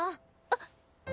あっ。